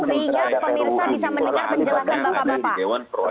sehingga pemirsa bisa mendengar penjelasan bapak bapak